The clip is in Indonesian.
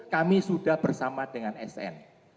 kami sudah bersama dengan sn